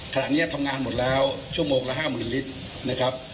ขณะนี้ทำงานหมดแล้วชั่วโมงละ๕๐๐๐ลิตรนะครับ